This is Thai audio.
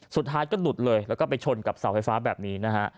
สุดท้ายก็หลุดเลยแล้วก็ไปชนกับเสาไฟฟ้าแบบนี้นะฮะ